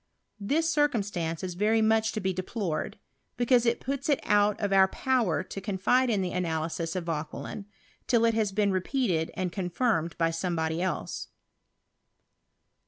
This circumstance is very much to be deplored ; because it puts it out of our power to confide in an analysis of Vauquelin, till it has been repeated and confirmed by somebody else.